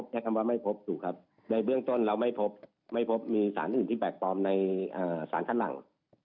ใช้คำว่าไม่พบถูกครับในเบื้องต้นเราไม่พบไม่พบมีสารอื่นที่แปลกปลอมในสารชั้นหลัง